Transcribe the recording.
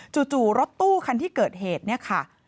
จู่รถตู้คันที่เกิดเหตุเนี่ยค่ะ